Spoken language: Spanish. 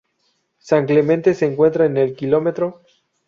San Clemente se encuentra en el km.